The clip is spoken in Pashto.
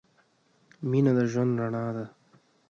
مینه د ژوند رڼا ده.